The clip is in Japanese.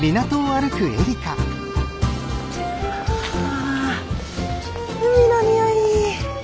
あ海の匂い。